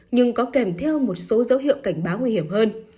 nhưng có kèm theo một số dấu hiệu cảnh báo nguy hiểm hơn